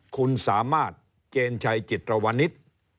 คุณสามารถเจนชัยจิตรวนิษฐ์